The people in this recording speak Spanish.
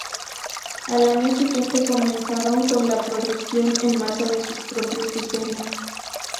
Al año siguiente, comenzaron con la producción en masa de sus propios diseños.